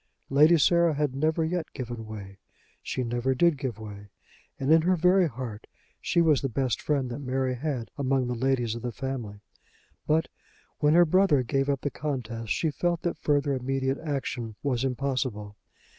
Lady Sarah had never yet given way; she never did give way; and, in her very heart, she was the best friend that Mary had among the ladies of the family. But when her brother gave up the contest she felt that further immediate action was impossible.